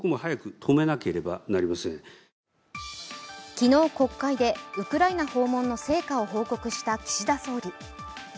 昨日、国会で、ウクライナ訪問の成果を報告した岸田総理。